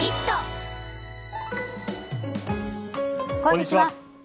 こんにちは。